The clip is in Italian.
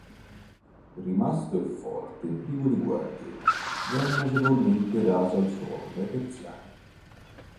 Rimasto il forte privo di guardie, venne agevolmente raso al suolo dai Persiani.